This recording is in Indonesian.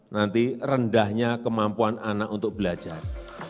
nanti rendahnya kemampuan anak untuk belajar